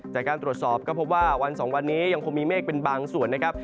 จากการตรวจสอบก็พบว่าวัน๒วันนี้ยังคงมีเมฆเป็นบางส่วนนะครับ